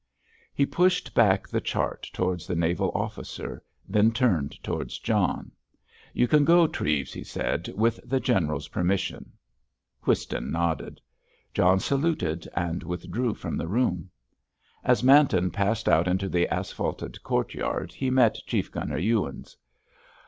He pushed back the chart towards the naval officer; then turned towards John. "You can go, Treves," he said, "with the General's permission." Whiston nodded. John saluted and withdrew from the room. As Manton passed out into the asphalted courtyard he met Chief Gunner Ewins.